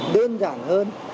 đơn giản hơn